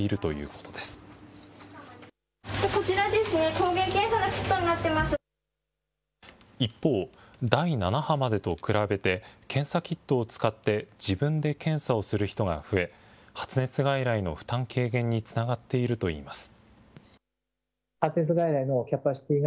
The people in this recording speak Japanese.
こちらですね、一方、第７波までと比べて検査キットを使って自分で検査をする人が増え、発熱外来の負担軽減につながっているといいます。